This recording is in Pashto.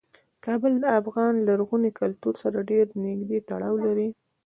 کابل د افغان لرغوني کلتور سره ډیر نږدې تړاو لري.